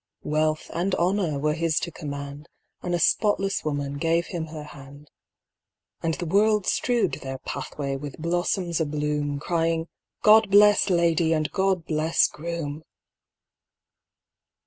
Wealth and honour were his to command, And a spotless woman gave him her hand. And the world strewed their pathway with blossoms abloom, Crying, "God bless ladye, and God bless groom!"